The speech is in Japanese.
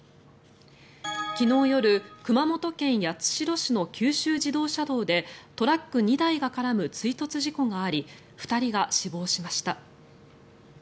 昨日夜熊本県八代市の九州自動車道でトラック２台が絡む追突事故があり２人が死亡しました。